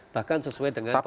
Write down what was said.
bahkan sesuai dengan peruntukan